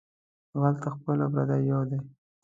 غله ته خپل او پردي یو دى